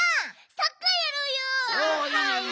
サッカーやろうよ！